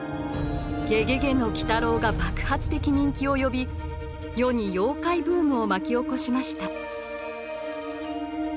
「ゲゲゲの鬼太郎」が爆発的人気を呼び世に妖怪ブームを巻き起こしました。